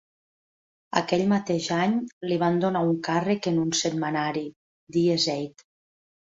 Aquell mateix any li van donar un càrrec en un setmanari: Die Zeit.